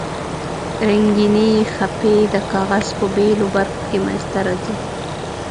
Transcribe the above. رنګینې خپې د کاغذ په بیلو برخو کې منځ ته راځي.